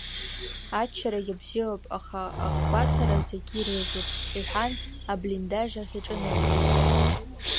Аччарагьы бзиоуп, аха ахгәаҭара зегьы иреиӷьуп, — иҳәан, аблиндаж ахь иҿынеихеит.